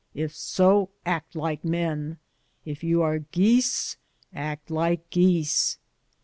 If so, act like men. If you are geese, act like geese."